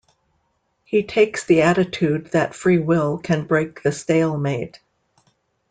He takes the attitude that free will can break the stalemate.